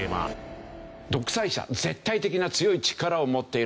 独裁者絶対的な強い力を持っている。